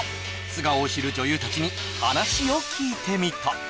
素顔を知る女優たちに話を聞いてみた